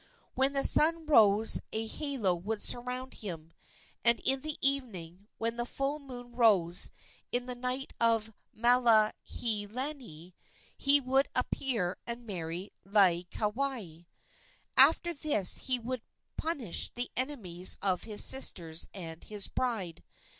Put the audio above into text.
When the sun rose a halo would surround him, and in the evening, when the full moon rose in the night of Mahealani, he would appear and marry Laieikawai. After this he would punish the enemies of his sisters and his bride.